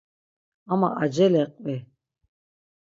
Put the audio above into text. Ama acele qvi.